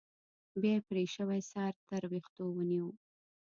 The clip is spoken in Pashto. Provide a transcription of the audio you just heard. بيا يې پرې شوى سر تر ويښتو ونيو.